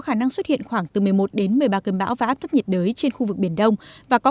khả năng xuất hiện khoảng từ một mươi một đến một mươi ba cơn bão và áp thấp nhiệt đới trên khu vực biển đông và có